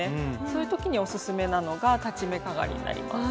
そういう時にオススメなのが裁ち目かがりになります。